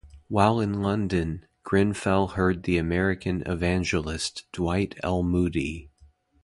While in London, Grenfell heard the American evangelist Dwight L. Moody.